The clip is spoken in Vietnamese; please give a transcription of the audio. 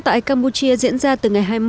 tại campuchia diễn ra từ ngày hai mươi một